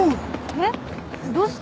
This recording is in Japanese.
えっどうして？